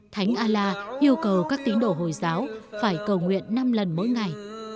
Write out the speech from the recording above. thánh a la yêu cầu các tín đồ hồi giáo phải cầu nguyện năm lần mỗi ngày